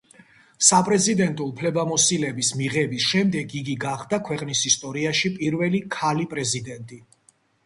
საპრეზიდენტო უფლებამოსილების მიღების შემდეგ იგი გახდა ქვეყნის ისტორიაში პირველი ქალი-პრეზიდენტი.